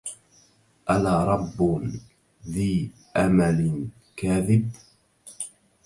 ألا رب ذي أمل كاذب